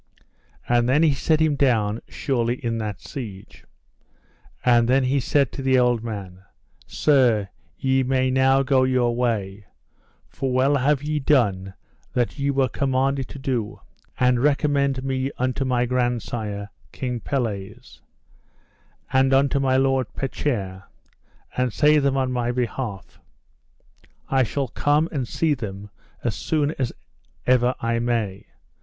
And then he set him down surely in that siege. And then he said to the old man: Sir, ye may now go your way, for well have ye done that ye were commanded to do; and recommend me unto my grandsire, King Pelles, and unto my lord Petchere, and say them on my behalf, I shall come and see them as soon as ever I may.